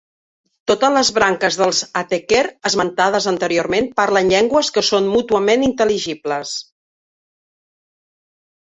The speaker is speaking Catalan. Totes les branques dels Ateker esmentades anteriorment parlen llengües que són mútuament intel·ligibles.